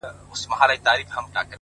هره تجربه د پوهې نوی اړخ څرګندوي؛